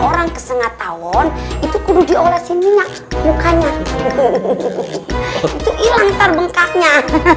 pulang kesengat tahun itu kudu diolesin minyak mukanya itu ilang terbengkaknya